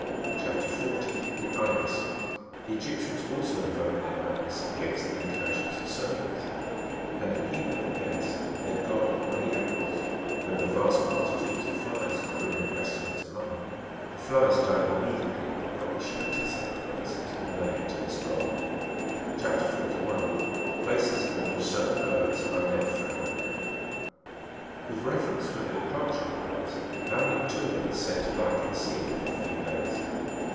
CHAP. 40. (28.) THE IBIS. The Egyptians also invoke their ibis against the incursions of serpents ; and the people of Elis, their god Myiagros, ^^ when the vast multitudes of flies are bringing pestilence among them ; the flies die immediately the propitiatory sacri fice has been made to this god. CHAP. 41. (29.) PLACES IN WHICH CERTAIN BIRDS ARE NEVER FOITND. With reference to the departure of birds, the owlet, too, is said to lie concealed for a few days.